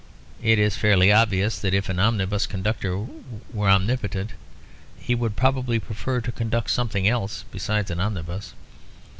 It is fairly obvious that if an omnibus conductor were omnipotent, he would probably prefer to conduct something else besides an omnibus.